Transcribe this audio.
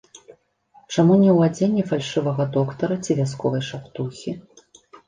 Чаму не ў адзенні фальшывага доктара ці вясковай шаптухі?